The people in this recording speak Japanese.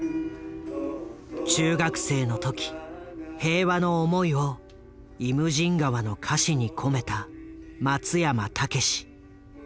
中学生の時平和の思いを「イムジン河」の歌詞に込めた松山猛。